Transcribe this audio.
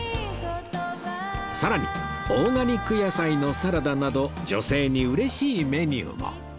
さらにオーガニック野菜のサラダなど女性に嬉しいメニューも